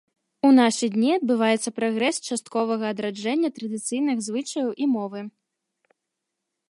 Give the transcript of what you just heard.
У нашы дні адбываецца працэс частковага адраджэння традыцыйных звычаяў і мовы.